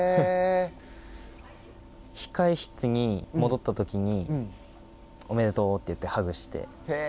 控え室に戻ったときにおめでとうって言ってハグして。